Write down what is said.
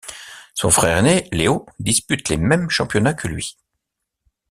Son frère ainé, Leo, dispute les mêmes championnats que lui.